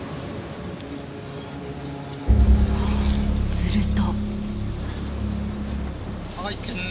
すると。